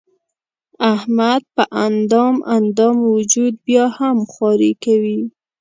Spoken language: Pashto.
احمد په اندام اندام وجود بیا هم خواري کوي.